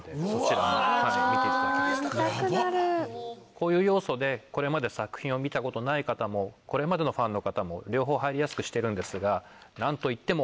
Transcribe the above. こういう要素でこれまで作品を見たことない方もこれまでのファンの方も両方入りやすくしてるんですが何といっても。